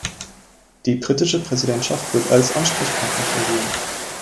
Die britische Präsidentschaft wird als Ansprechpartner fungieren.